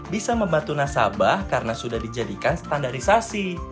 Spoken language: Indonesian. bisa membantu nasabah karena sudah dijadikan standarisasi